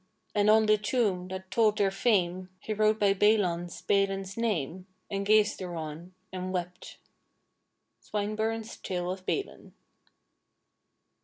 And on the tomb that told their fame He wrote by Balan's Balen's name, And gazed thereon, and wept." Swtneburne's "Tale of Balen."